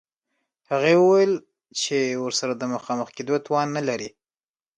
هغې وویل چې ورسره د مخامخ کېدو توان نلري